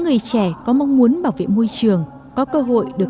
người trẻ có mong muốn bảo vệ môi trường có cơ hội được